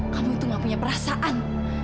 kamu itu gak punya perasaan